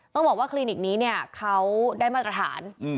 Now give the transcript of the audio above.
ต้องบอกว่าคลินิกนี้เนี่ยเขาได้มาตรฐาน